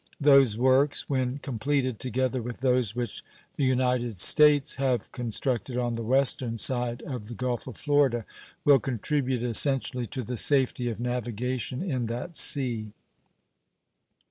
Those works, when completed, together with those which the United States have constructed on the western side of the Gulf of Florida, will contribute essentially to the safety of navigation in that sea.